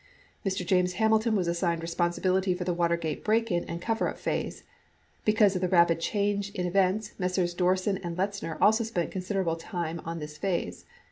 Mr. James Hamilton was assigned responsibility for the Watergate break in and coverup phase; because of the rapid change in events, Messrs. Dorsen and Lenzner also spent considerable time on this phase.